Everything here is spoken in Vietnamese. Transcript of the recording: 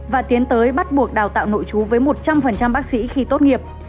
và tiến tới bắt buộc đào tạo nội chú với một trăm linh bác sĩ khi tốt nghiệp